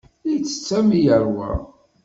Ittett arma yeṛwa.